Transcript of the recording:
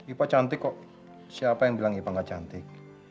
ipa cantik kok siapa yang bilang ipa nggak cantik